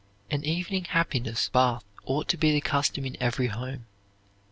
An evening happiness bath ought to be the custom in every home.